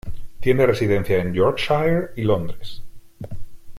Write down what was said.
Tiene residencia en Yorkshire y Londres.